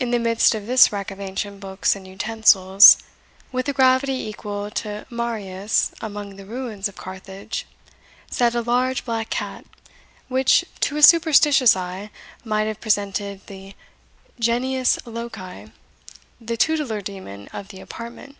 In the midst of this wreck of ancient books and utensils, with a gravity equal to Marius among the ruins of Carthage, sat a large black cat, which, to a superstitious eye, might have presented the genius loci, the tutelar demon of the apartment.